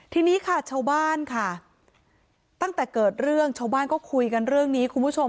ทีนี้ค่ะชาวบ้านค่ะตั้งแต่เกิดเรื่องชาวบ้านก็คุยกันเรื่องนี้คุณผู้ชม